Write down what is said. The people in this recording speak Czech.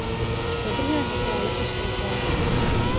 Do druhého kola nepostoupil.